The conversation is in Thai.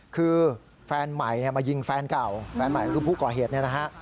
คือแฟนใหม่มายิงแฟนเก่าแฟนใหม่คือผู้ก่อเหตุเนี่ยนะฮะ